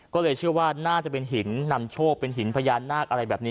ก็เลยเชื่อว่าน่าจะเป็นหินนำโชคเป็นหินพญานาคอะไรแบบนี้